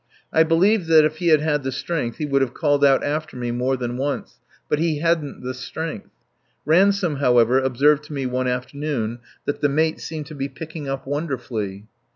I believe that if he had had the strength he would have called out after me more than once. But he hadn't the strength. Ransome, however, observed to me one afternoon that the mate "seemed to be picking up wonderfully."